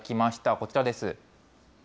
こちらです。